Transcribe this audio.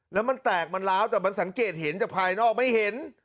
แล้วมันแตกมันล้าวแต่มันสังเกตเห็นแต่ภายนอกไม่เห็น